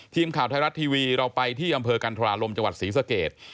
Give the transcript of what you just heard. ทีมข่าวไทยรัฐทีวีเราไปที่อำเภอกันธราลมจังหวัดศรีสเกต